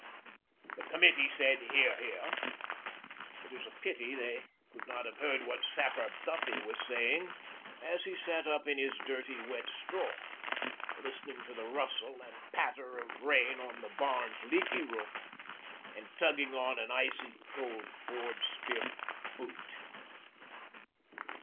The Committee said, 'Hear, hear.' It is a pity they could not have heard what Sapper Duffy was saying as he sat up in his dirty wet straw, listening to the rustle and patter of rain on the barn's leaky roof and tugging on an icy cold board stiff boot.